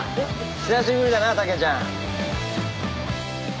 久しぶりだな竹ちゃん。